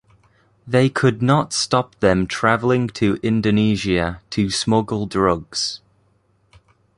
They could not stop them traveling to Indonesia to smuggle drugs.